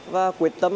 và quyết tâm